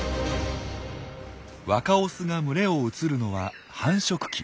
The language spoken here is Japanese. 若オスが群れを移るのは繁殖期。